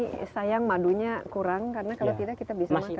tapi sayang madunya kurang karena kalau tidak kita bisa makan